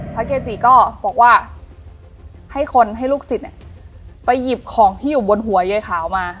เกจิก็บอกว่าให้คนให้ลูกศิษย์ไปหยิบของที่อยู่บนหัวยายขาวมา